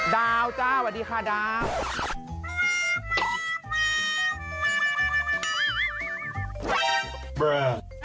ดาวจ้าสวัสดีค่ะดาว